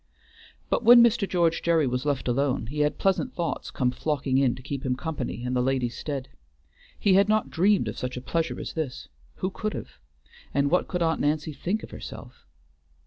But when Mr. George Gerry was left alone, he had pleasant thoughts come flocking in to keep him company in the ladies' stead. He had not dreamed of such a pleasure as this; who could have? and what could Aunt Nancy think of herself!